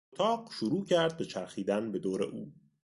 اتاق شروع کرد به چرخیدن به دور او.